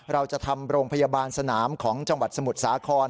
เราจะทำโรงพยาบาลสนามของจังหวัดสมุทรสาคร